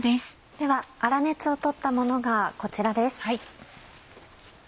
では粗熱をとったものがこちらです。